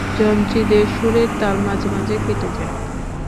যন্ত্রীদের সুরের তাল মাঝে মাঝে কেটে যায়।